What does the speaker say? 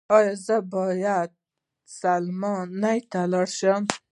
ایا زه باید سلماني ته لاړ شم؟